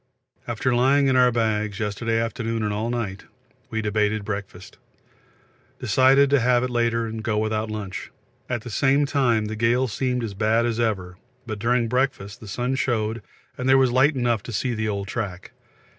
After lying in our bags yesterday afternoon and all night, we debated breakfast; decided to have it later and go without lunch. At the time the gale seemed as bad as ever, but during breakfast the sun showed and there was light enough to see the old track.